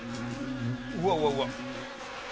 うわうわうわ！